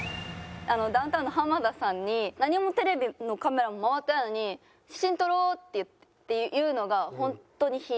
ダウンタウンの浜田さんに何もテレビのカメラも回ってないのに「写真撮ろう」って言うのが本当に引いて。